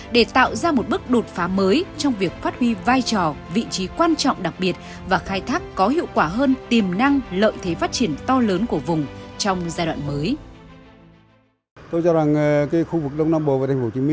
để tạo ra một bước đột phá mới trong việc phát huy vai trò vị trí quan trọng đặc biệt và khai thác có hiệu quả hơn tiềm năng lợi thế phát triển to lớn của vùng trong giai đoạn mới